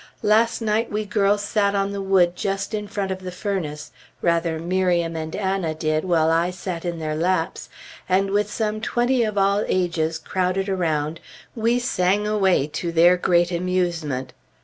Last night we girls sat on the wood just in front of the furnace rather Miriam and Anna did, while I sat in their laps and with some twenty of all ages crowded around, we sang away to their great amusement.